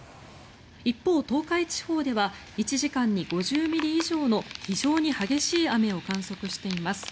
一方、東海地方では１時間に５０ミリ以上の非常に激しい雨を観測しています。